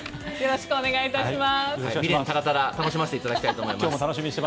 よろしくお願いします。